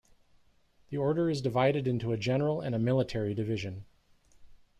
The order is divided into a general and a military division.